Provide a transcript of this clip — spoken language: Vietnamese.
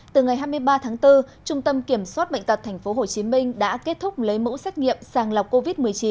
từ ngày hai mươi ba tháng bốn trung tâm kiểm soát bệnh tật tp hcm đã kết thúc lấy mẫu xét nghiệm sàng lọc covid một mươi chín